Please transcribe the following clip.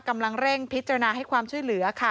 กำลังเร่งพิจารณาให้ความช่วยเหลือค่ะ